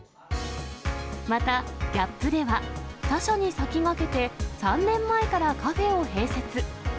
またギャップでは、他社に先駆けて３年前からカフェを併設。